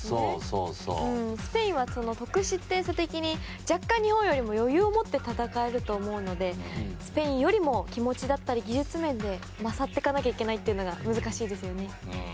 スペインは得失点差的に若干、日本よりも余裕を持って戦えると思うのでスペインよりも気持ちだったり技術面で勝っていかないといけないというのが難しいですね。